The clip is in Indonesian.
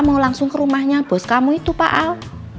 mau langsung ke rumahnya bos kamu itu pak al